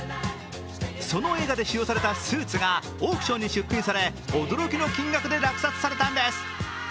その映画で使用されたスーツがオークションに出品され、驚きの金額で落札されたんです。